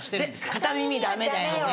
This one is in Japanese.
片耳ダメだよね。